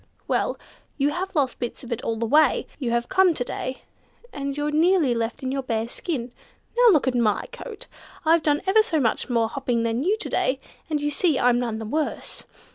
Well, you have lost bits of it all the way you have come to day, and you're nearly left in your bare skin. Now look at my coat. I've done ever so much more hopping than you to day, and you see I'm none the worse.